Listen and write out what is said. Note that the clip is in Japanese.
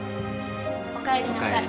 おかえりなさい。